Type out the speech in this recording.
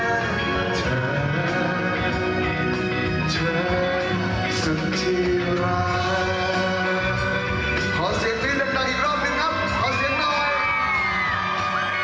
ขอบคุณทุกเรื่องราวคนแทนที่ได้คุณให้ฉันแน่นได้เธอ